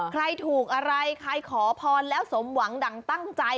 ใครถูกอะไรใครขอพรแล้วสมหวังดั่งตั้งใจ